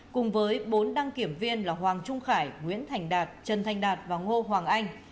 cùng với bốn đăng kiểm viên là hoàng trung hải nguyễn thành đạt trần thanh đạt và ngô hoàng anh